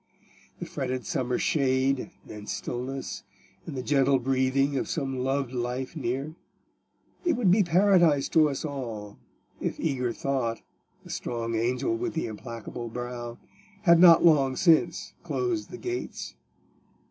The fretted summer shade, and stillness, and the gentle breathing of some loved life near—it would be paradise to us all, if eager thought, the strong angel with the implacable brow, had not long since closed the gates.